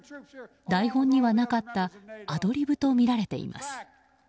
台本にはなかったアドリブとみられています。